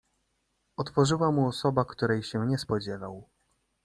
"Otworzyła mu osoba, której się nie spodziewał."